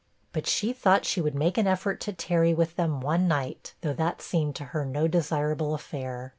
But she thought she would make an effort to tarry with them one night, though that seemed to her no desirable affair.